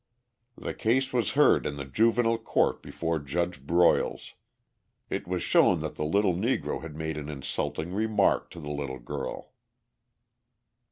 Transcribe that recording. The case was heard in the juvenile court before Judge Broyles. It was shown that the little Negro had made an insulting remark to the little girl.